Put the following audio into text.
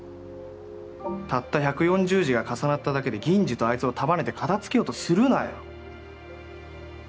たった１４０字が重なっただけでギンジとあいつを束ねて片づけようとするなよ。